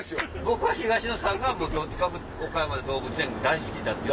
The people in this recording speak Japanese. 僕は東野さんが岡山で動物園大好きだって。